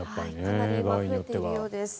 かなり今、増えているようです。